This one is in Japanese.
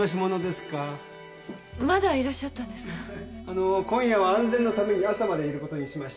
あのー今夜は安全のために朝までいることにしました。